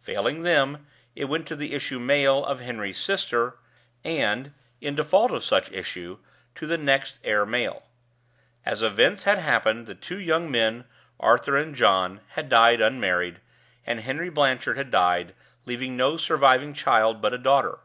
Failing them, it went to the issue male of Henry's sister; and, in default of such issue, to the next heir male. As events had happened, the two young men, Arthur and John, had died unmarried, and Henry Blanchard had died, leaving no surviving child but a daughter.